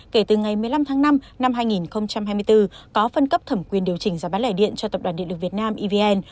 kể từ ngày một mươi năm tháng năm năm hai nghìn hai mươi bốn có phân cấp thẩm quyền điều chỉnh giá bán lẻ điện cho tập đoàn điện lực việt nam evn